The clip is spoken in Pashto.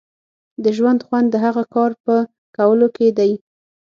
د ژوند خوند د هغه کار په کولو کې دی.